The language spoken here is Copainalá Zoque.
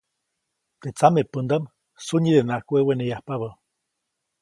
Teʼ samepändaʼm sunyidenaʼajk weweneyajpabä.